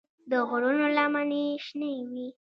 د غرونو لمنې شنه وې.